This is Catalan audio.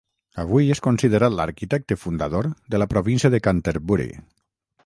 Avui, és considerat l'arquitecte fundador de la província de Canterbury.